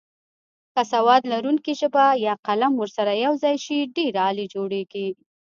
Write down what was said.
که سواد لرونکې ژبه یا قلم ورسره یوځای شي ډېر عالي جوړیږي.